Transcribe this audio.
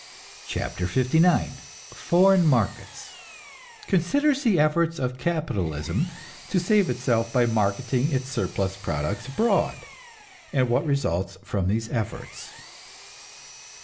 CHAPTER LIX FOREIGN MARKETS (Considers the efforts of capitalism to save itself by marketing its surplus products abroad, and what results from these efforts.)